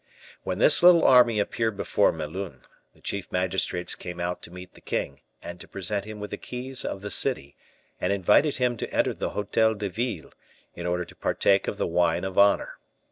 When this little army appeared before Melun, the chief magistrates came out to meet the king, and to present him with the keys of the city, and invited him to enter the Hotel de Ville, in order to partake of the wine of honor.